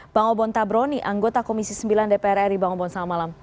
bang obon tabroni anggota komisi sembilan dpr ri bang obon selamat malam